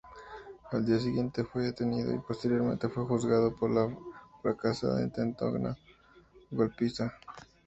Al día siguiente fue detenido y posteriormente sería juzgado por la fracasada intentona golpista.